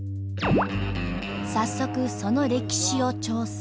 早速その歴史を調査。